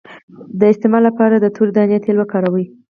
د استما لپاره د تورې دانې تېل وکاروئ